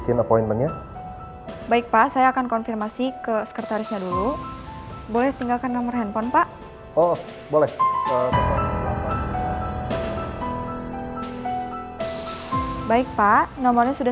terima kasih sebelumnya